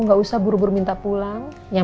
gak usah terburu buru minta pulang ya